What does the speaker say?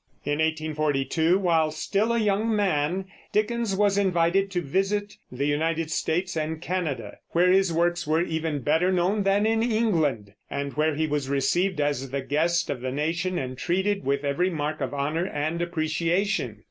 In 1842, while still a young man, Dickens was invited to visit the United States and Canada, where his works were even better known than in England, and where he was received as the guest of the nation and treated with every mark of honor and appreciation.